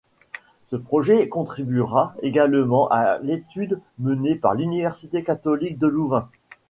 Ce projet contribuera également à l'étude menée par l'Université catholique de Louvain.